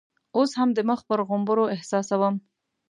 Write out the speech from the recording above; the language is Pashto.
اوس هم د مخ پر غومبرو احساسوم.